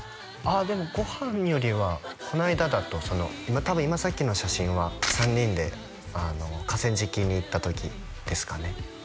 あでもご飯よりはこの間だと多分今さっきの写真は３人で河川敷に行った時ですかね